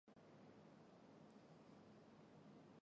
胱天蛋白酶是一类半胱氨酸蛋白酶的统称。